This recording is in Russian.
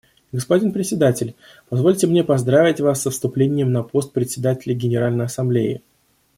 Господин Председатель, позвольте мне поздравить Вас со вступлением на пост Председателя Генеральной Ассамблеи.